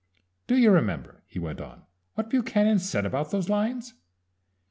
"Do you remember," he went on, "what Buchanan said about those lines?